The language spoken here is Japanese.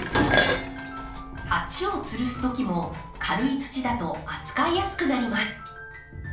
鉢をつるすときも軽い土だと扱いやすくなります。